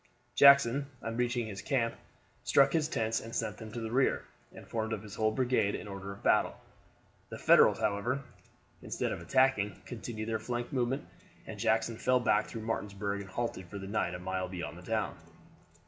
Jackson, on reaching his camp, struck his tents and sent them to the rear, and formed up his whole brigade in order of battle. The Federals, however, instead of attacking, continued their flank movement, and Jackson fell back through Martinsburg and halted for the night a mile beyond the town.